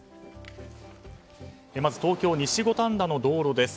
まず東京・西五反田の道路です。